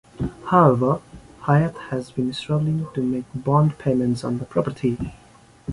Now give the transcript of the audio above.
However, Hyatt has been struggling to make bond payments on the property.